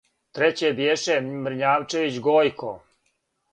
Треће бјеше Мрњавчевић Гојко;